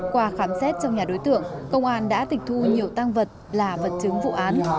qua khám xét trong nhà đối tượng công an đã tịch thu nhiều tăng vật là vật chứng vụ án